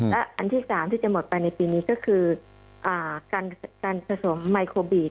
และอันที่๓ที่จะหมดไปในปีนี้ก็คือการผสมไมโครบี